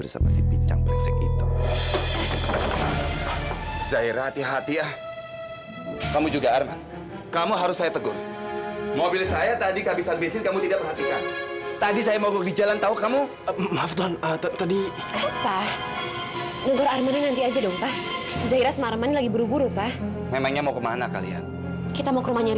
sampai jumpa di video selanjutnya